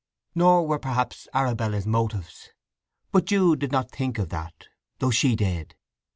Nor were perhaps Arabella's motives. But Jude did not think of that, though she did.